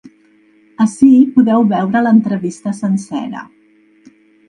Ací podeu veure l’entrevista sencera.